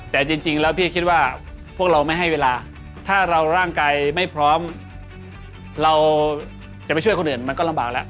แต่จริงแล้วพี่คิดว่าพวกเราไม่ให้เวลาถ้าเราร่างกายไม่พร้อมเราจะไปช่วยคนอื่นมันก็ลำบากแล้ว